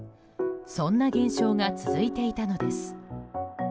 そんな現象が続いていたのです。